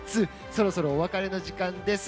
そろそろお別れの時間です。